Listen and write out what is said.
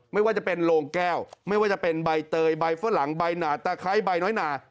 ไม่ว่าจะเป็นโลงแก้วไม่ว่าจะเป็นใบเตยใบฝรั่งใบหนาตะไคร้ใบน้อยหนา